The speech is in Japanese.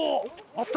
あった！